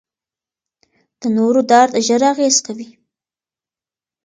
د نورو درد ژر اغېز کوي.